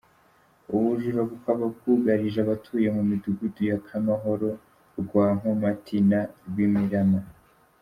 Ubu bujura bukaba bwugarije abatuye mu midugudu ya Kamahoro, Rwankomati na Rwimirama.